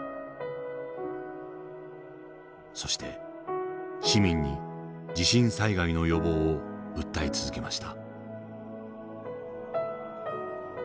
そして市民に地震災害の予防を訴え続けました。